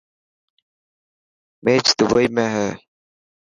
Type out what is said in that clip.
ميچ دبي ۾ هي.